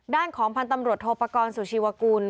ด้านของพันธ์ตำรวจโทปกรณ์สุชีวกุล